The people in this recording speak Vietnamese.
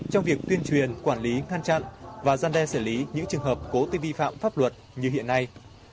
trong việc tuyên truyền quản lý ngăn chặn và gian đe xử lý những trường hợp cố tình vi phạm pháp luật như hiện nay